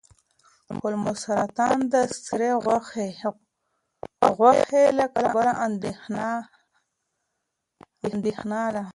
کولمو سرطان د سرې غوښې له کبله اندېښنه ده.